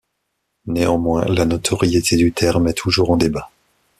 Néanmoins, la notoriété du terme est toujours en débat.